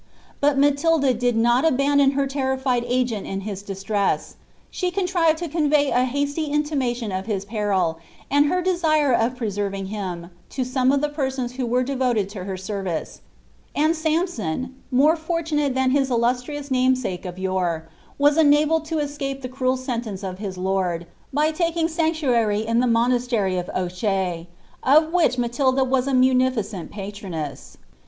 But Matilda did nnt jandon her lerritied agent in his distress j she conirived lo convey » hasty iitiimation of his peril, and her desire of preserving him, to •omt of the persons who were devoted to her service ; and Sampson, man fortunale than his illustrious namesake of yore, was enabled to eacape the cruel seDlence of his lord, by taking sanctuary in the monastery of Ouche, of which Matilda was a muniticent patroness.